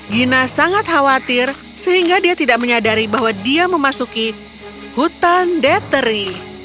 gina sangat khawatir sehingga dia tidak menyadari bahwa dia memasuki hutan detheri